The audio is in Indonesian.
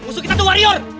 musuh kita itu warrior